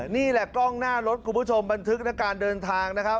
นี่แหละกล้องหน้ารถคุณผู้ชมบันทึกในการเดินทางนะครับ